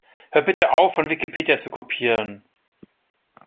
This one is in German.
Hört bitte auf, von Wikipedia zu kopieren!